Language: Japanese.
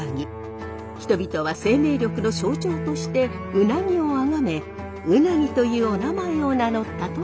人々は生命力の象徴として鰻を崇め鰻というおなまえを名乗ったといいます。